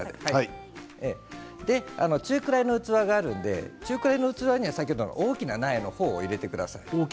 中くらいの器があるので中くらいの器には大きな苗の方を入れてください。